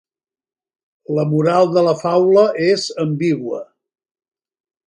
La moral de la faula és ambigua.